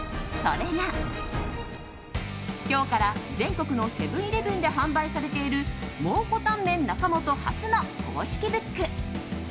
それが今日から全国のセブン‐イレブンで販売されている蒙古タンメン中本初の公式ブック。